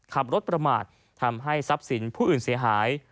ขับรถประมาททำให้ทรัพย์สินผู้อื่นเสียหาย